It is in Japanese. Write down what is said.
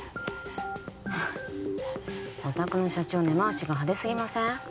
お宅の社長根回しが派手すぎません？